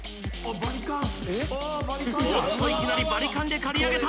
バリカンやおっといきなりバリカンで刈り上げた！